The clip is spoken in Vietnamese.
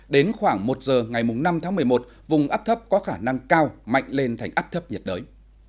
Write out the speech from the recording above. đến khoảng một giờ ngày năm tháng một mươi một vùng áp thấp có khả năng cao mạnh lên thành áp thấp nhiệt đới